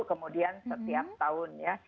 kemudian setiap tahun ya